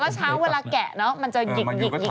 แล้วเช้าเวลาแกะเนอะมันจะหยิก